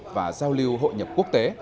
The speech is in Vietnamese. và giao lưu hội nhập quốc tế